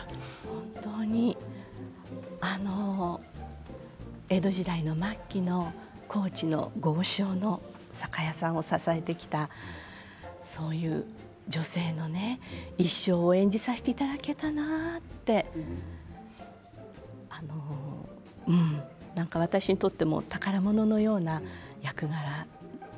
本当に江戸時代の末期の高知の豪商の酒屋さんを支えてきたそういう女性のね一生を演じさせていただけたなってあの何か私にとっても宝物のような役柄ドラマです。